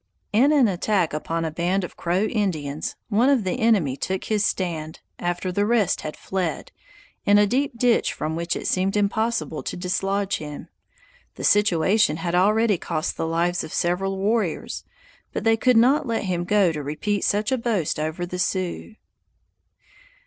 In an attack upon a band of Crow Indians, one of the enemy took his stand, after the rest had fled, in a deep ditch from which it seemed impossible to dislodge him. The situation had already cost the lives of several warriors, but they could not let him go to repeat such a boast over the Sioux!